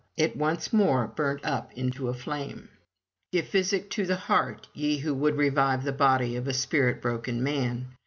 It once more burnt up into a flame. Give physic to the heart, ye who would revive the body of a spirit broken man!